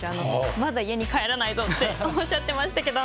まだ家に帰らないぞっておっしゃってましたけど。